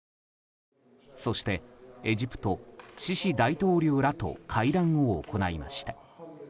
そしてエジプトシシ大統領らと会談を行いました。